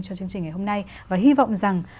cho chương trình ngày hôm nay và hy vọng rằng